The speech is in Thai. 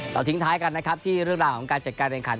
ทิ้งท้ายกันนะครับที่เรื่องราวของการจัดการแข่งขัน